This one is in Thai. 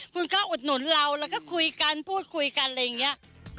คุณก็อุดหนุนเราแล้วก็คุยกันพูดคุยกันอะไรอย่างนี้